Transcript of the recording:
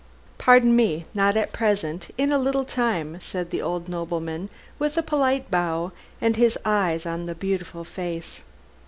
"Pardon me, not at present: in a little time," said the old nobleman, with a polite bow and his eyes on the beautiful face.